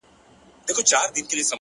د زړه سکون له سمې لارې زېږي،